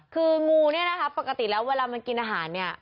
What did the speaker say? คืองูปกติแล้วเวลามันกินอาหารเนี่ย